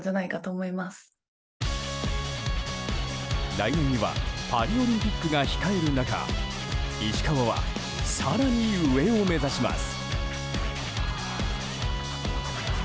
来年にはパリオリンピックが控える中石川は更に上を目指します。